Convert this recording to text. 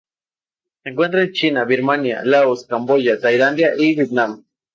Se encuentra en China, Birmania, Laos, Camboya, Tailandia y Vietnam.